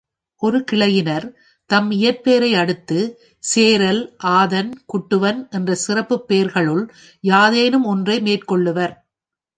ஒரு கிளையினர், தம் இயற்பெயரை அடுத்துச் சேரல், ஆதன், குட்டுவன் என்ற சிறப்புப் பெயர்களுள் யாதேனும் ஒன்றினை மேற்கொள்வர்.